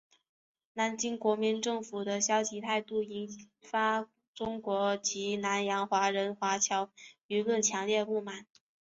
南京国民政府的消极态度引发中国及南洋华人华侨舆论强烈不满。